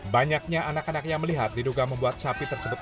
banyaknya anak anak yang melihat diduga membuat sapi tersebut